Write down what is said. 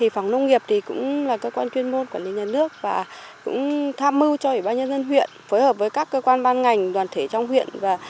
phòng nông nghiệp cũng là cơ quan chuyên môn quản lý nhà nước và cũng tham mưu cho ủy ban nhân dân huyện phối hợp với các cơ quan ban ngành đoàn thể trong huyện